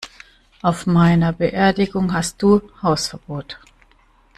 Auf meiner Beerdigung hast du Hausverbot!